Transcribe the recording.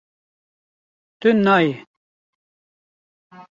Tu nayê